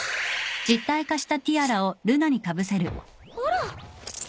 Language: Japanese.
あら。